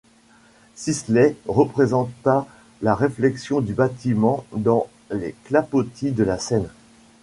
Sisley représenta la réflexion du bâtiment dans les clapotis de la Seine.